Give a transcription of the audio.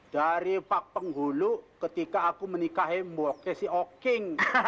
dari pak penghulu ketika aku menikahin buke si oking